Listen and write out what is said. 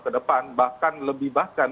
ke depan bahkan lebih bahkan